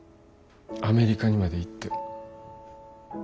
アメリカにまで行って。